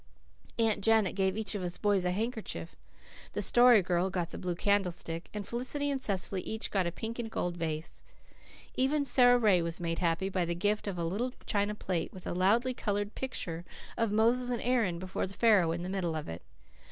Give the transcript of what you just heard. Aunt Janet gave each of us boys a handkerchief. The Story Girl got the blue candlestick, and Felicity and Cecily each got a pink and gold vase. Even Sara Ray was made happy by the gift of a little china plate, with a loudly coloured picture of Moses and Aaron before Pharaoh in the middle of it.